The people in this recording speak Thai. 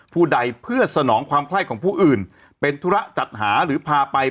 ผู้ใดเพื่อสนองความไข้ของผู้อื่นเป็นธุระจัดหาหรือพาไป